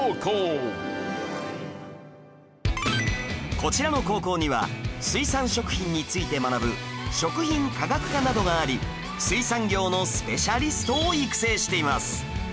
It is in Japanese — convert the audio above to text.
こちらの高校には水産食品について学ぶ食品科学科などがあり水産業のスペシャリストを育成しています